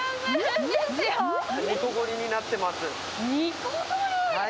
煮凝りになってます。